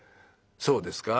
「そうですか。